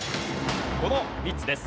この３つです。